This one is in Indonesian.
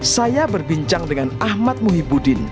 saya berbincang dengan ahmad muhyibudin